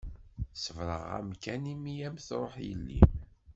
Ṣebreɣ-am kan imi i am-truḥ yelli-m.